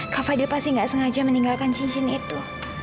kak fadil pasti gak sengaja meninggalkan cincin itu